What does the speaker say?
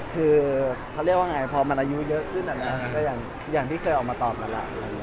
คือเขาเรียกว่าไงพอมันอายุเยอะขึ้นก็อย่างที่เคยออกมาตอบนั่นแหละ